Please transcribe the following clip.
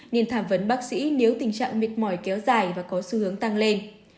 nên tham vấn bác sĩ nếu tình trạng mệt mỏi kéo dài và có xu hướng tăng lên